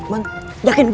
bantuin jatuhin bu